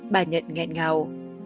bà nhận nghẹn ngào